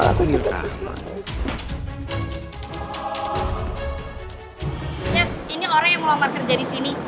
chef ini orang yang mau melamar kerja di sini